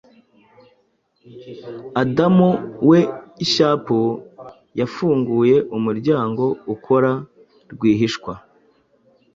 Adam Weishaup yafunguye umuryango ukora rwihishwa